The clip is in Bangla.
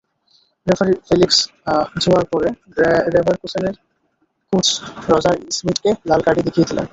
রেফারি ফেলিক্স জুয়ার পরে লেভারকুসেনের কোচ রজার স্মিটকে লাল কার্ডই দেখিয়ে দিলেন।